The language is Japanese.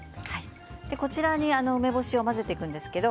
こちらに梅干しを混ぜていきます。